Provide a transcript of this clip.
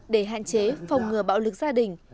để hạn chế phòng ngừa bạo lực gia đình